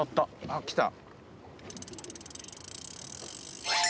あっ来た。